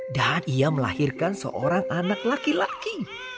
dan ia melahirkan seorang anak laki laki